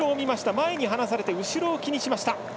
前に離されて後ろを気にしました。